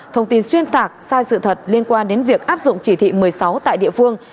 thông tin xuyên tạc sai sự thật liên quan đến việc áp dụng chỉ thị một mươi sáu tại địa phương